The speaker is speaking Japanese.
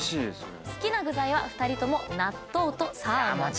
好きな具材は２人とも納豆とサーモン。